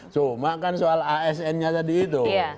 so maka kan soal asn nya tadi itu